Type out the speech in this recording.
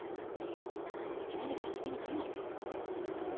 いきなり真面目になんないでよ。ん？